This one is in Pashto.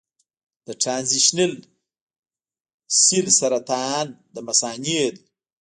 د ټرانزیشنل سیل سرطان د مثانې دی.